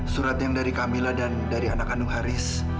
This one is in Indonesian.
surat yang dari kamila dan dari anak andung haris